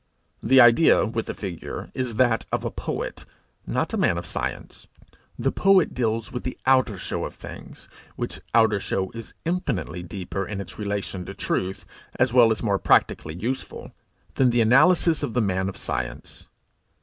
The idea, with the figure, is that of a poet, not a man of science. The poet deals with the outer show of things, which outer show is infinitely deeper in its relation to truth, as well as more practically useful, than the analysis of the man of science.